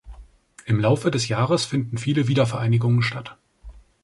Im Laufe des Jahres finden viele Wiedervereinigungen statt.